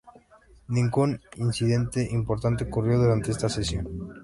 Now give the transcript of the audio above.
Ningún incidente importante ocurrió durante esta sesión.